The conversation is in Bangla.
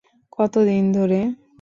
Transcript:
কত দিন ধরে?